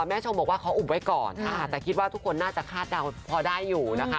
ชมบอกว่าเขาอุบไว้ก่อนแต่คิดว่าทุกคนน่าจะคาดเดาพอได้อยู่นะคะ